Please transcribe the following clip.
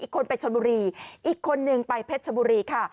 อีกคนไปเชินบุรีอีกคนนึงไปเพชรชนบุรี